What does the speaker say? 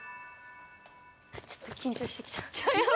ちょっと緊張してきた。